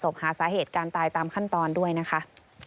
ส่วนรถที่นายสอนชัยขับอยู่ระหว่างการรอให้ตำรวจสอบ